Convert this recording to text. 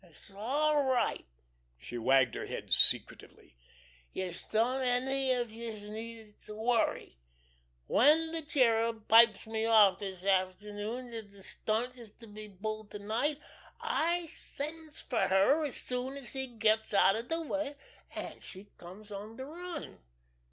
"It's all right!" She wagged her head secretively. "Youse don't any of youse need to worry. When de Cherub pipes me off this afternoon dat de stunt is to be pulled to night, I sends fer her as soon as he gets out of de way, an' she comes on de run.